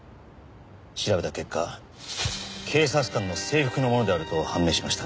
調べた結果警察官の制服のものであると判明しました。